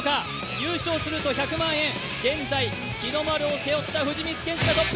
優勝すると１００万円現在、日の丸を背負った藤光謙司がトップ。